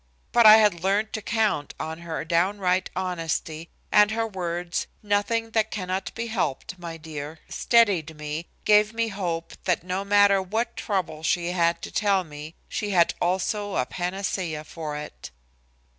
But I had learned to count on her downright honesty, and her words, "Nothing that cannot be helped, my dear," steadied me, gave me hope that no matter what trouble she had to tell me, she had also a panacea for it.